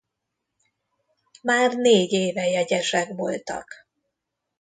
Már négy éve jegyesek voltak.